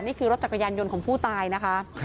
นี่คือรถจักรยานยนต์ของผู้ตายนะคะ